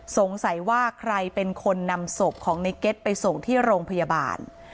สงสัยว่าใครเป็นคนนำศพของในเก็ตไปส่งที่โรงพยาบาล